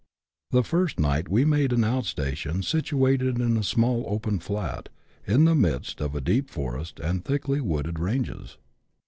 The first night we " made " an out station, situated in a small open flat, in the midst of deep forest and thickly wooded ranges.